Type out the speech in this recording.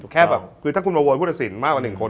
แค่แบบคือถ้าคุณมาโวยผู้ตัดสินมากกว่า๑คน